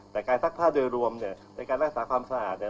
แต่การซักผ้าโดยรวมเนี่ยในการรักษาความสะอาดเนี่ย